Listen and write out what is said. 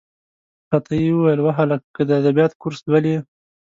را ته یې وویل: وهلکه! که د ادبیاتو کورس لولې.